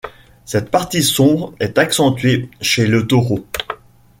Cette partie sombre est accentuée chez le taureau.